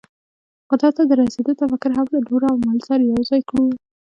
قدرت ته د رسېدو تفکر هم له نورو عواملو سره یو ځای کړو.